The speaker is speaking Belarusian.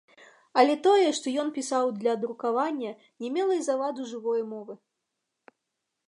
Але тое, што ён пісаў для друкавання, не мела і заваду жывое мовы.